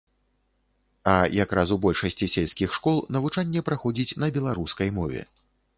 А якраз у большасці сельскіх школ навучанне праходзіць на беларускай мове.